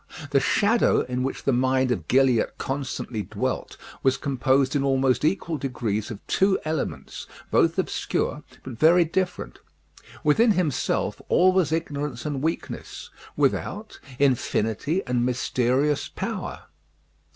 The shadow in which the mind of Gilliatt constantly dwelt was composed in almost equal degrees of two elements, both obscure, but very different. Within himself all was ignorance and weakness; without, infinity and mysterious power.